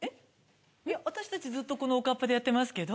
私たちずっとこのおかっぱでやってますけど。